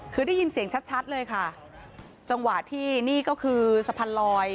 คือได้ยินเสียงชัดชัดเลยค่ะจังหวะที่นี่ก็คือสะพานลอย